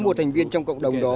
một thành viên trong cộng đồng đó